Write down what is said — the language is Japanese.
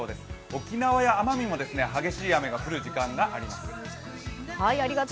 沖縄や奄美も激しい雨が降る時間があります。